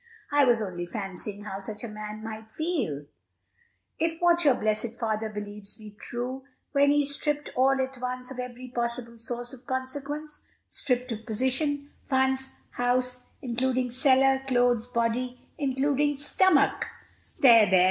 "I was only fancying how such a man must feel, if what your blessed father believes be true, when he is stripped all at once of every possible source of consequence, stripped of position, funds, house, including cellar, clothes, body, including stomach" "There, there!